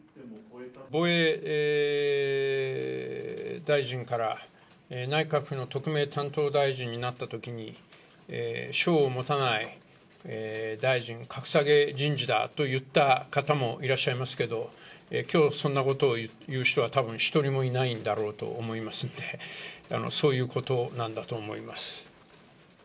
防衛大臣から、内閣府の特命担当大臣になったときに、省を持たない大臣、格下げ人事だと言った方もいらっしゃいますけど、きょう、そんなことを言う人はたぶん、一人もいないんだろうと思いますんで、そういうことなんだと思います。